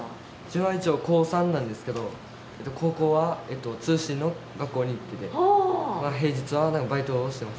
自分は一応高３なんですけど高校は通信の学校に行ってて平日はバイトをしてます。